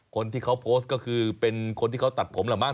คนที่เขาโพสต์ก็คือเป็นคนที่เขาตัดผมแหละมั้